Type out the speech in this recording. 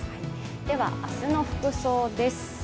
では明日の服装です。